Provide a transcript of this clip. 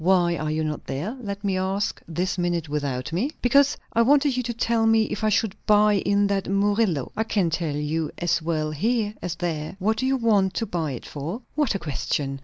"Why are you not there, let me ask, this minute without me?" "Because I wanted you to tell me if I should buy in that Murillo." "I can tell you as well here as there. What do you want to buy it for?" "What a question!